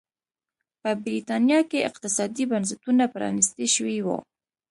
په برېټانیا کې اقتصادي بنسټونه پرانيستي شوي وو.